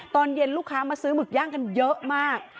ตอนเย็นลูกค้ามาซื้อหมึกย่างกันเยอะมาก